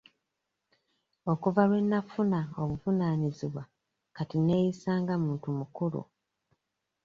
Okuva lwe nnafuna obuvunaanyizibwa kati nneeyisa nga muntu mukulu.